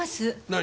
何？